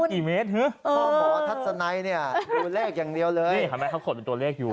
กี่เมตรฮะพ่อหมอทัศนัยเนี่ยดูเลขอย่างเดียวเลยทำไมเขาขดเป็นตัวเลขอยู่